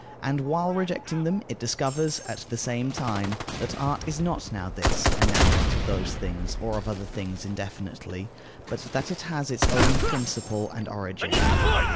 And while rejecting them, it discovers, at the same time, that art is not now this and now that of those things, or of other things, indefinitely, but that it has its own principle and origin.